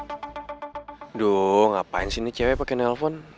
aduh ngapain sih ini cewek pake nelpon